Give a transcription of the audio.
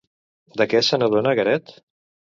De què se n'adona Garet?